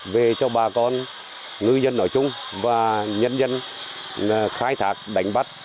về cho bà con ngư dân nói chung và nhân dân khai thác đánh bắt